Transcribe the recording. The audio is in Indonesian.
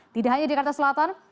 tidak hanya jakarta selatan